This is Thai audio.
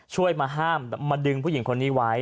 ช่วยมาห้ามมาดึงผู้หญิงคนนี้ไว้